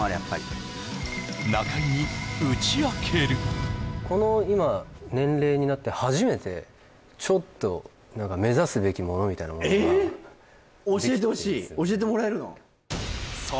中居に打ち明けるちょっと目指すべきものみたいなものが教えてほしい教えてもらえるの？